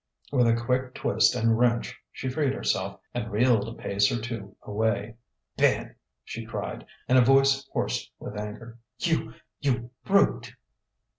With a quick twist and wrench she freed herself and reeled a pace or two away. "Ben!" she cried, in a voice hoarse with anger. "You you brute